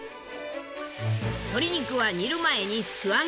鶏肉は煮る前に素揚げ。